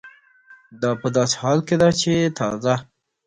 دا په داسې حال کې ده چې تازه